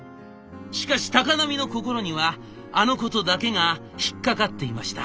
しかし高波の心にはあのことだけが引っ掛かっていました。